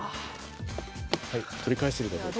はい取り返せるかどうか。